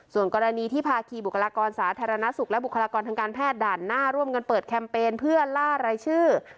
ส่วนกรณีที่ภาคีบุคลากรสาธารณสุขและบุคลากรทางการแพทย์ด่านหน้าร่วมกันเปิดแคมเปญเพื่อล่ารายชื่อ